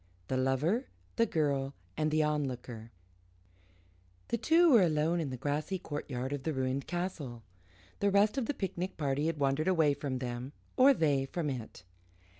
THE LOVER, THE GIRL, AND THE ONLOOKER The two were alone in the grassy courtyard of the ruined castle. The rest of the picnic party had wandered away from them, or they from it.